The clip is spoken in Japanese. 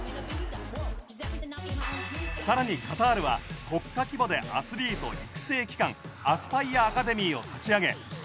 さらにカタールは国家規模でアスリート育成機関アスパイア・アカデミーを立ち上げ